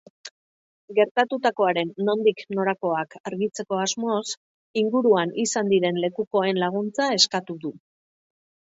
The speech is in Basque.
Gertatutakoaren nondik norakoak argitzeko asmoz, inguruan izan diren lekukoen laguntza eskatu du.